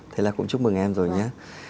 thế là cũng chúc mừng em rồi nhé